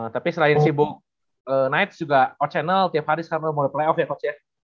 tapi selain sibuk nights juga o channel tiap hari sekarang mau di playoff ya coach ya